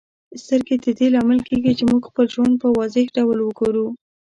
سترګې د دې لامل کیږي چې موږ خپل ژوند په واضح ډول وګورو.